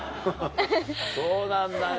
そうなんだね。